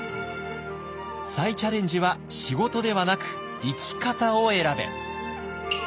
「再チャレンジは仕事ではなく生き方を選べ！」。